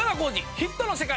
ヒットの世界』。